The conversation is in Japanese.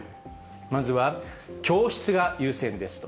まずは教室が優先ですと。